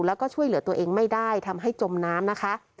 แล้วก็ช่วยเหลือตัวเองไม่ได้ทำให้จมน้ำนะคะ